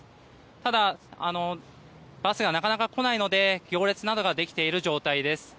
ただ、バスがなかなか来ないので行列などができている状態です。